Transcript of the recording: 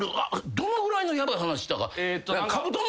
どのぐらいのヤバい話したか。